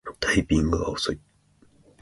タイピングが遅い